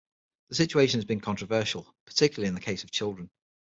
The situation has been controversial, particularly in the case of children.